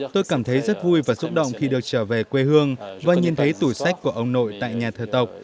tôi cảm thấy rất vui và xúc động khi được trở về quê hương và nhìn thấy tủ sách của ông nội tại nhà thờ tộc